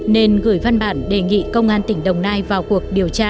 nên gửi văn bản đề nghị công an tỉnh đồng nai vào cuộc điều tra